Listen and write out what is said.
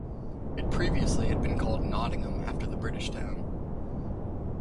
It previously had been called Nottingham after the British town.